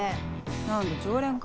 何だ常連か。